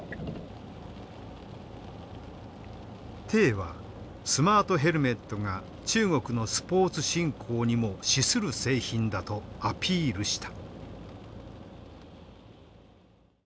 はスマートヘルメットが中国のスポーツ振興にも資する製品だとアピールした。